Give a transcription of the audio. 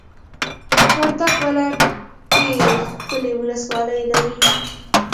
وردګ ولایت ډېرې ښکلې ولسوالۍ لري!